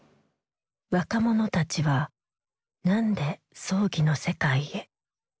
若者たちは何で葬儀の世界へ。